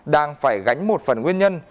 đang phải gánh một phần nguyên nhân